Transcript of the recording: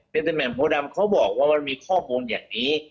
เพราะเมนโพดำเขาบอกว่ามันมีข้อมูลอย่างนี้